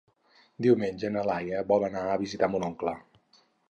Diumenge na Laia vol anar a visitar mon oncle.